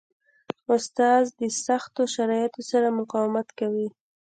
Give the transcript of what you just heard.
استاد د سختو شرایطو سره مقاومت کوي.